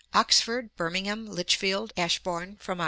Oxford, Birmingham, Lichfield, Ashbourn, from Oct.